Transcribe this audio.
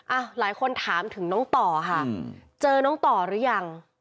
อ่ะหลายคนถามถึงน้องต่อค่ะเจอน้องต่อหรือยัง